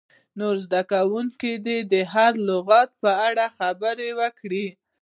نور زده کوونکي دې د هر لغت په اړه خبرې وکړي.